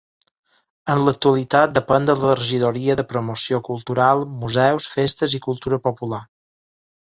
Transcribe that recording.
En l'actualitat depèn de la Regidoria de Promoció Cultural, Museus, Festes i Cultura Popular.